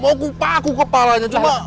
mau kupaku kepalanya cuma